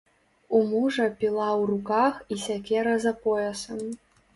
У мужа піла ў руках і сякера за поясам.